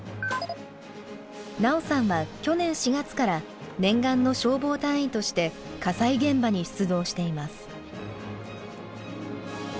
奈緒さんは去年４月から念願の消防隊員として火災現場に出動しています。